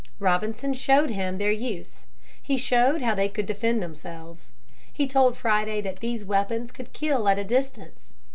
Robinson showed him their use. He showed how they could defend themselves. He told Friday that these weapons would kill at a distance.